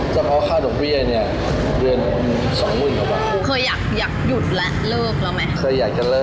เฉพาะค่าดกเบี้ยนี่เดือน๒๐๐๐๐บาท